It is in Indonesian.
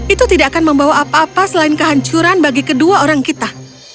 itu tidak akan membawa apa apa selain kehancuran bagi kedua orang kita